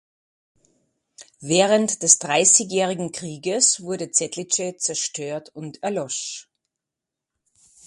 Während des Dreißigjährigen Krieges wurde "Cetlice" zerstört und erlosch.